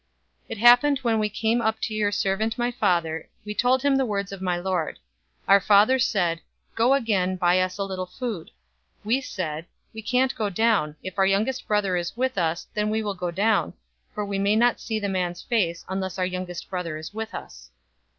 044:024 It happened when we came up to your servant my father, we told him the words of my lord. 044:025 Our father said, 'Go again, buy us a little food.' 044:026 We said, 'We can't go down. If our youngest brother is with us, then we will go down: for we may not see the man's face, unless our youngest brother is with us.'